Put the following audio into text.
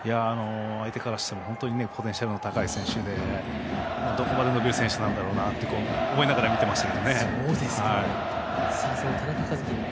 相手からしてもポテンシャルの高い選手でどこまで伸びる選手なんだろうと思いながら見てました。